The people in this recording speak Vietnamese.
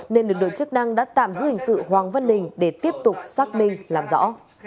nên lực lượng chức năng đã tạm giữ hình sự hoàng văn đình để tiếp tục xác minh làm rõ